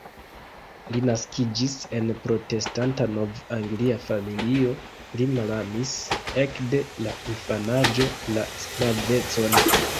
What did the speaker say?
Li naskiĝis en protestanta nov-anglia familio, li malamis ekde la infanaĝo la sklavecon.